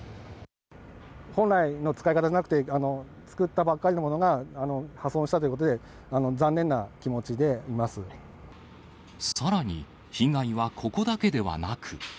本来の使い方じゃなくて、作ったばっかりのものが破損したということで、残念な気持ちでいさらに、被害はここだけではなく。